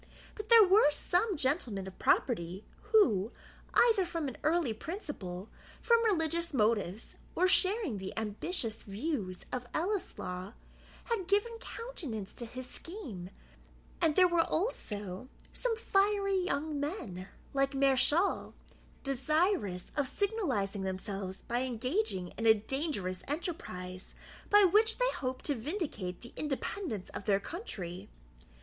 But there were some gentlemen of property, who, either from early principle, from religious motives, or sharing the ambitious views of Ellieslaw, had given countenance to his scheme; and there were, also, some fiery young men, like Mareschal, desirous of signalizing themselves by engaging in a dangerous enterprise, by which they hoped to vindicate the independence of their country.